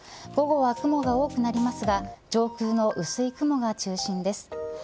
午後は雲が多くなりますが上空の薄い雲が中心です。